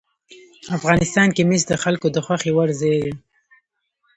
افغانستان کې مس د خلکو د خوښې وړ ځای دی.